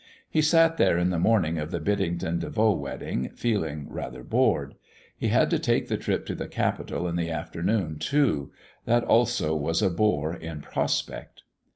He sat there in the morning of the Biddington De Vaux wedding feeling rather bored. He had to take the trip to the capital in the afternoon, too. That also was a bore in prospect.